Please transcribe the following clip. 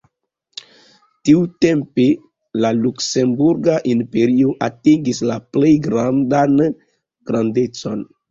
Tiutempe la luksemburga imperio atingis la plej grandan grandecon.